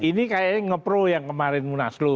ini kayaknya ngepro yang kemarin munaslu